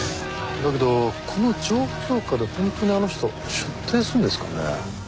だけどこの状況下で本当にあの人出廷するんですかね？